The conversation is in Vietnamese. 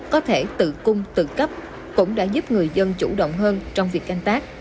có thể tự cung tự cấp cũng đã giúp người dân chủ động hơn trong việc canh tác